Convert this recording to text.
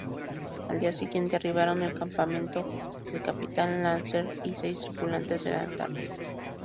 Al día siguiente, arribaron al campamento el capitán Larsen y seis tripulantes del "Antarctic".